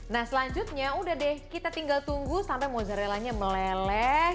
nah selanjutnya udah deh kita tinggal tunggu sampai mozzarellanya meleleh